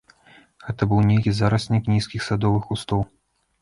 Гэта быў нейкі зараснік нізкіх садовых кустоў.